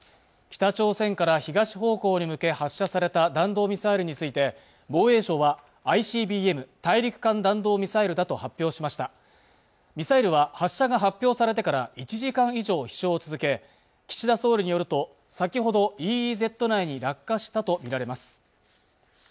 北朝鮮から東方向に向け発射された弾道ミサイルについて防衛省はＩＣＢＭ＝大陸間弾道ミサイルだと発表しましたミサイルは発射が発表されてから１時間以上飛しょうを続け岸田総理によると先ほどＥＥＺ内に落下したと見られます